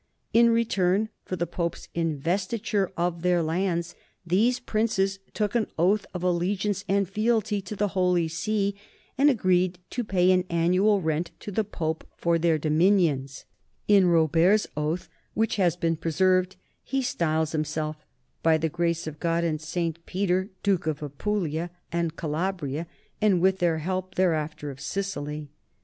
In return for the Pope's investiture of their lands, these princes took an oath of allegiance and fealty to the Holy See and agreed to pay an annual rent to the Pope for their domains; in Robert's oath, which has been preserved, he styles himself "by the grace of God and St. Peter duke of Apulia and Calabria and, with their help, hereafter of Sicily."